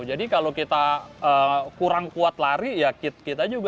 jadi kalau kita kurang kuat lari kita juga harus menyesuaikan dengannya